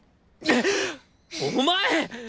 お前！